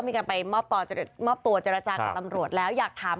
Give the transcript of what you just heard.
มีกันไปมอบต่อจริงเงินมอบตัวเจรจากับตำรวจแล้วอยากถาม